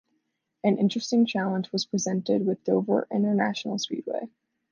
An interesting challenge was presented with Dover International Speedway.